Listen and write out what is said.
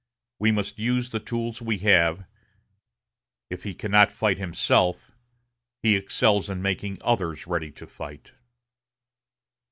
"We must use the tools we have; if he cannot fight himself, he excels in making others ready to fight."